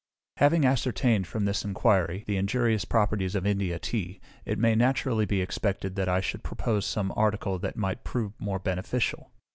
Having ascertained, from this enquiry, the injurious properties of India tea, it may naturally be expected that I should propose some article that might prove more beneficial.